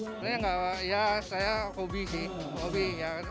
sebenarnya ya saya hobi sih hobi